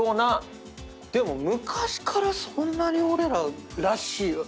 でも昔からそんなに俺ららしい。